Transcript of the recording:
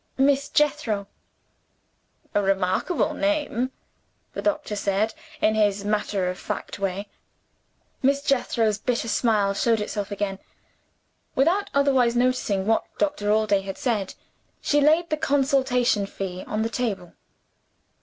"Miss Jethro." "A remarkable name," the doctor said, in his matter of fact way. Miss Jethro's bitter smile showed itself again. Without otherwise noticing what Doctor Allday had said, she laid the consultation fee on the table.